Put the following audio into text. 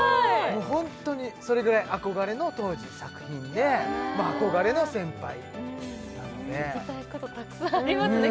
もうホントにそれぐらい憧れの当時作品で憧れの先輩なので聞きたいことたくさんありますね